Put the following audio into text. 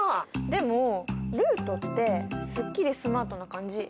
でもルートってすっきりスマートな感じ。